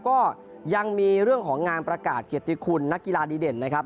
ก็ยังมีเรื่องของงานประกาศเกียรติคุณนักกีฬาดีเด่นนะครับ